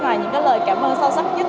ngoài những lời cảm ơn sâu sắc nhất